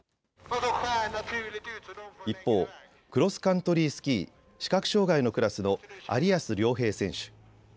一方、クロスカントリースキー視覚障害のクラスの有安諒平選手。